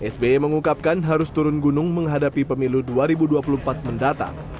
sby mengungkapkan harus turun gunung menghadapi pemilu dua ribu dua puluh empat mendatang